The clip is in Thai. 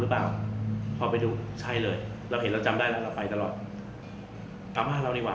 พอไปดูใช่เลยเราเห็นแล้วจำได้แล้วเราไปตลอดตามภาพเรานี่หว่า